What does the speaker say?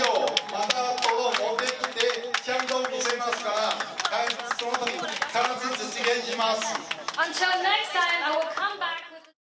またドローン持ってきてちゃんと見せますから、そのとき必ず実現します。